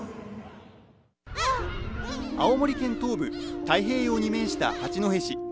青森県東部、太平洋に面した八戸市。